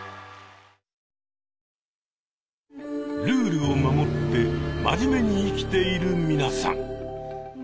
ルールを守って真面目に生きている皆さん。